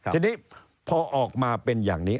ทีนี้พอออกมาเป็นอย่างนี้